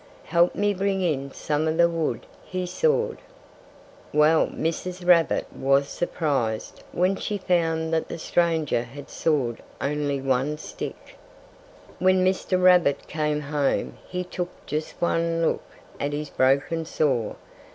"Help me bring in some of the wood he sawed." Well, Mrs. Rabbit was surprised when she found that the stranger had sawed only one stick. When Mr. Rabbit came home he took just one look at his broken saw.